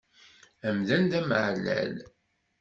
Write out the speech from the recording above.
Amdan d ameεlal.